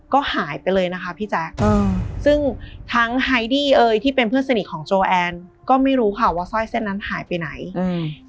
ก็หายไปเลยนะคะพี่แจ๊คอืมซึ่งทั้งไฮดี้เอ่ยที่เป็นเพื่อนสนิทของโจแอนก็ไม่รู้ค่ะว่าสร้อยเส้นนั้นหายไปไหนอืม